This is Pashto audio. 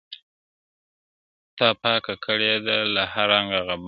تا پاکه كړې ده، له هر رنگه غبار کوڅه